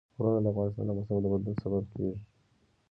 غرونه د افغانستان د موسم د بدلون سبب کېږي.